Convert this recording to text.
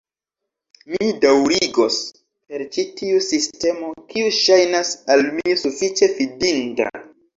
Mi daŭrigos per ĉi tiu sistemo, kiu ŝajnas al mi sufiĉe fidinda.